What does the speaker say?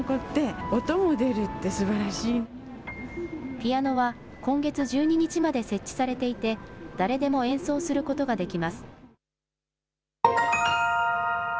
ピアノは今月１２日まで設置されていて、誰でも演奏することができます。